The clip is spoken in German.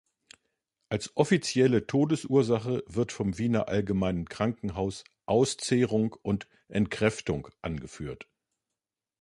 Als offizielle Todesursache wird vom Wiener Allgemeinen Krankenhaus „Auszehrung“ und „Entkräftung“ angeführt.